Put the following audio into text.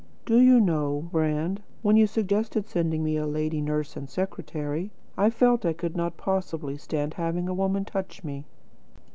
"Do you know, Brand, when you suggested sending me a lady nurse and secretary, I felt I could not possibly stand having a woman touch me."